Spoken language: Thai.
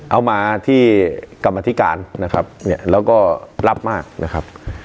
เอามาที่กรรมธิการนะครับเนี่ยแล้วก็รับมากนะครับ